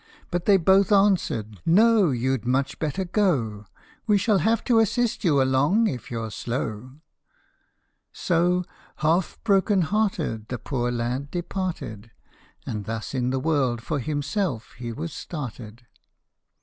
But they both answered, " No ! you 'd much better go : We shall have to assist you along if you 're slow !" So, half broken hearted, the poor lad departed, And thus in the world for himself he was started.